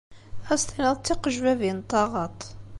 Ad as-tiniḍ d tiqejbabin n taɣaḍt.